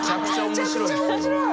めちゃくちゃ面白い。